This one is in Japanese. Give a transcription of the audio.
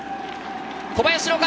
小林の肩！